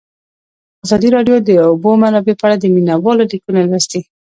ازادي راډیو د د اوبو منابع په اړه د مینه والو لیکونه لوستي.